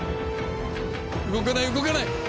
動かない動かない！